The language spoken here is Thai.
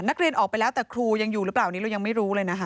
นักเรียนออกไปแล้วแต่ครูยังอยู่หรือเปล่านี้เรายังไม่รู้เลยนะคะ